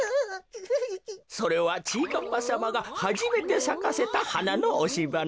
それはちぃかっぱさまがはじめてさかせたはなのおしばな。